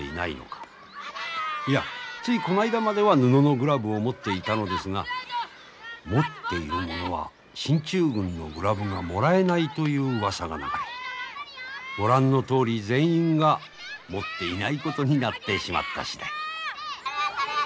いやついこないだまでは布のグラブを持っていたのですが持っている者は進駐軍のグラブがもらえないといううわさが流れご覧のとおり全員が持っていないことになってしまった次第。